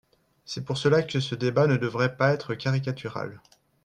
C’est pour cela que ce débat ne devrait pas être caricatural.